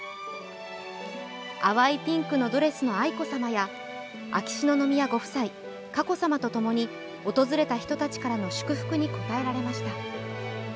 淡いピンクのドレスの愛子さまや秋篠宮ご夫妻、佳子さまとともに、訪れた人たちからの祝福に応えられました。